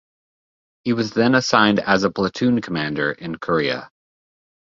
He was then assigned as a platoon commander in Korea.